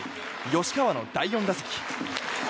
吉川の第４打席。